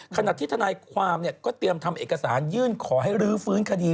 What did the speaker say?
ขณะที่ทนายความก็เตรียมทำเอกสารยื่นขอให้รื้อฟื้นคดี